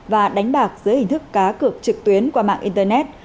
và đánh bạc dưới hình thức cá cược trực tuyến qua mạng internet